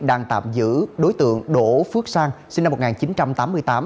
đang tạm giữ đối tượng đỗ phước sang sinh năm một nghìn chín trăm tám mươi tám